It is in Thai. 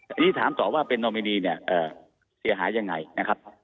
อันนี้ถามต่อว่าเป็นนอมินีเนี่ยเสียหายยังไงนะครับ